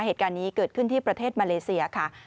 เหตุการณ์นี้เกิดขึ้นที่ประเทศมาเลเซียค่ะ